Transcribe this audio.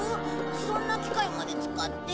そんな機械まで使って。